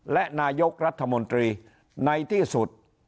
และนายกรัฐมนตรีในที่สุด